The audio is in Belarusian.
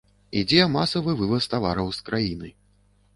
Ідзе масавы вываз тавараў з краіны.